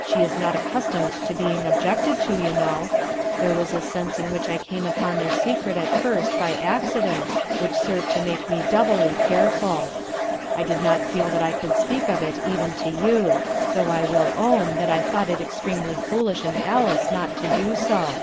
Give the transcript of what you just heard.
She is not ac customed to being objected to, you know. There was a sense in which I came upon their secret at first, by accident, which, served to make me doubly careful; I did not feel that I could speak of it even to you; though I will "MOTHERS ARE QUEER!" 03 own that I thought it extremely foolish in Alice not to do so.